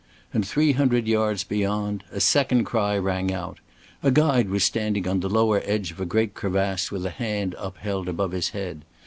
And three hundred yards beyond a second cry rang out. A guide was standing on the lower edge of a great crevasse with a hand upheld above his head.